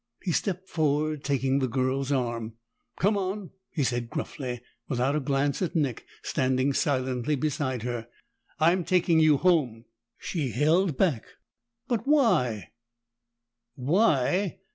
He stepped forward, taking the girl's arm. "Come on!" he said gruffly, without a glance at Nick standing silently beside her. "I'm taking you home!" She held back. "But why?" "Why?